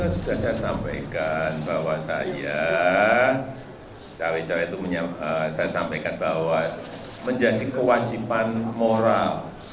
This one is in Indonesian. sudah saya sampaikan bahwa saya cawe cawe itu saya sampaikan bahwa menjadi kewajiban moral